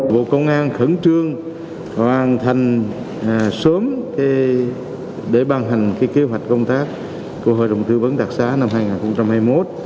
bộ công an khẩn trương hoàn thành sớm để ban hành kế hoạch công tác của hội đồng tư vấn đặc xá năm hai nghìn hai mươi một